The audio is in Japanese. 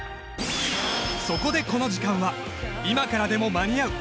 そこでこの時間は今からでも間に合う！